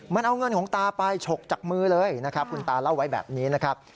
มันเอาเงินของตาไปฉกจากมือเลยนะครับคุณตาเล่าไว้แบบนี้นะครับ